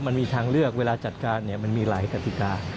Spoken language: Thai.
มันมีทางเลือกเวลาจัดการมันมีหลายกติกา